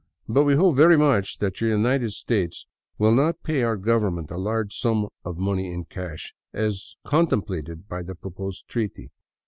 But we hope very much that your United States will not pay our government a large sum of money in cash, as contemplated by the proposed treaty.